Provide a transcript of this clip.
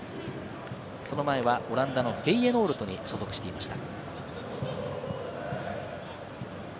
その前はオランダのフェイエノールトに所属していました。